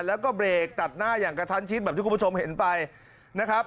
แล้วก็เบรกตัดหน้าอย่างกระทันชิดแบบที่คุณผู้ชมเห็นไปนะครับ